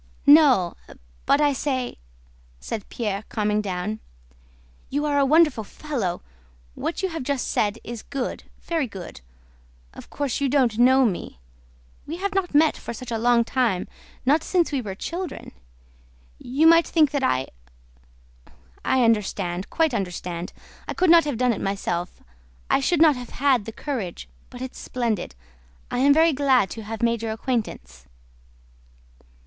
"No, but I say," said Pierre, calming down, "you are a wonderful fellow! What you have just said is good, very good. Of course you don't know me. We have not met for such a long time... not since we were children. You might think that I... I understand, quite understand. I could not have done it myself, I should not have had the courage, but it's splendid. I am very glad to have made your acquaintance.